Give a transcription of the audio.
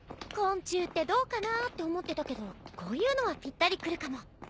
昆虫ってどうかなって思ってたけどこういうのはぴったりくるかも。